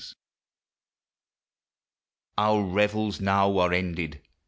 SC. 1. Our revels now are ended.